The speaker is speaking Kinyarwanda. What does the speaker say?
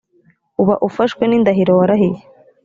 uba ufashwe n indahiro warahiye